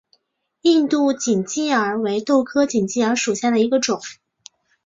印度锦鸡儿为豆科锦鸡儿属下的一个种。